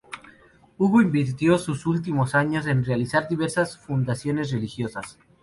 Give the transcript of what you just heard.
Hugo invirtió sus últimos años en realizar diversas fundaciones religiosas.